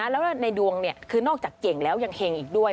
แล้วในดวงคือนอกจากเก่งแล้วยังเห็งอีกด้วย